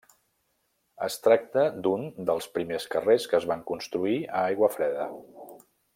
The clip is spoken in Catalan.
Es tracta d'un dels primers carrers que es van construir a Aiguafreda.